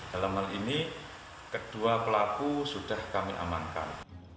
dalam hal ini kedua pelaku sudah kami amankan